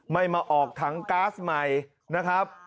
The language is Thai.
ไม่มาออกถังก๊าซใหม่นะครับ